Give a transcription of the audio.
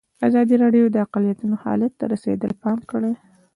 ازادي راډیو د اقلیتونه حالت ته رسېدلي پام کړی.